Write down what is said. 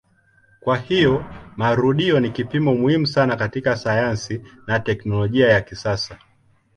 Kwa hiyo marudio ni kipimo muhimu sana katika sayansi na teknolojia ya kisasa.